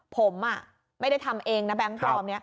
ผมไม่ได้ทำเองนะแบงค์ปลอมนี้